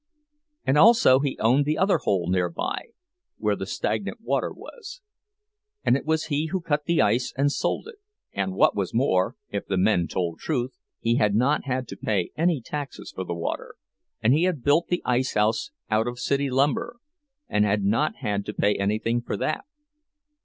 And also he owned the other hole near by, where the stagnant water was; and it was he who cut the ice and sold it; and what was more, if the men told truth, he had not had to pay any taxes for the water, and he had built the ice house out of city lumber, and had not had to pay anything for that.